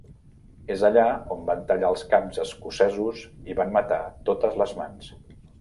És allà on van tallar els caps escocesos i van matar totes les mans.